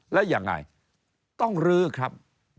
แล้วอย่างไรต้องรื้อครับ